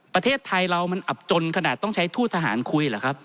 ประเทศไทยเรามันอับจนขนาดต้องใช้ทูตทหารคุยเหรอครับ